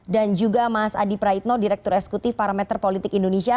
dan juga mas adi praitno direktur eksekutif parameter politik indonesia